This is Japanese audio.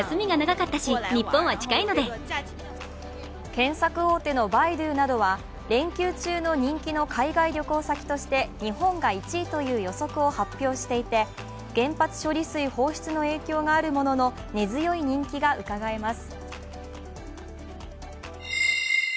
検索大手のバイドゥなどは連休中の人気旅行先で日本が１位という予測を発表していて原発処理水放出の影響があるものの、根強い人気がうかがえます。